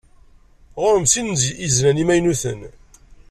Ɣur-m sin n yiznan imaynuren.